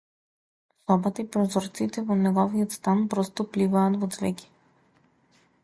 Собата и прозорците во неговиот стан просто пливаат во цвеќе.